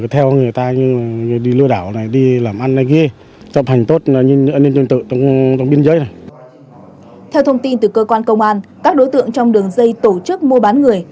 theo thông tin từ cơ quan công an các đối tượng trong đường dây tổ chức mua bán người